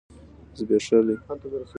ځبيښلي